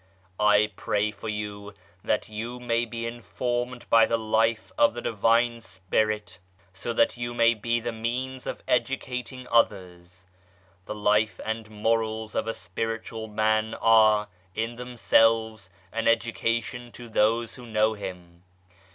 I pray for you that you may be informed by the life of the Divine Spirit, so that you may be the means of educating others. The life and morals of a spiritual man are, in themselves, an education to those who know him.